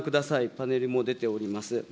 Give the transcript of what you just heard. パネルも出ております。